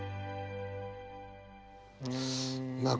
あ